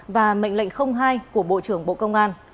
và mệnh lệnh hai của bộ trưởng bộ công an